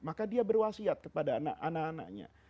maka dia berwasiat kepada anak anaknya